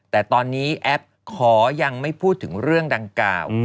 แต่ตอนนี้แอปขอยังไม่พูดถึงเรื่องดังกล่าว